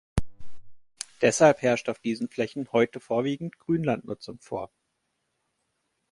Deshalb herrscht auf diesen Flächen heute vorwiegend Grünlandnutzung vor.